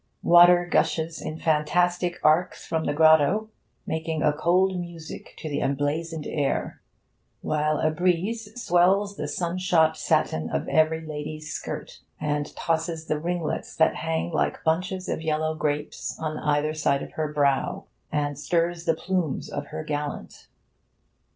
Water gushes in fantastic arcs from the grotto, making a cold music to the emblazoned air, while a breeze swells the sun shot satin of every lady's skirt, and tosses the ringlets that hang like bunches of yellow grapes on either side of her brow, and stirs the plumes of her gallant.